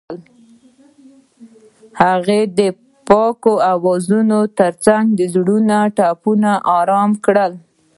هغې د پاک اوازونو ترڅنګ د زړونو ټپونه آرام کړل.